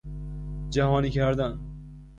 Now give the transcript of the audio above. جهانی کردن